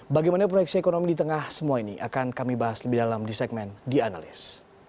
bagaimana proyeksi ekonomi di tengah semua ini akan kami bahas lebih dalam di segmen the analyst